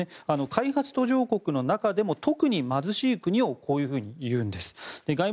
開発途上国の中でも特に貧しい国をこういうふうに言うんです。